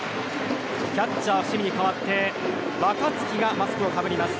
キャッチャー伏見に代わって若月がマスクをかぶります。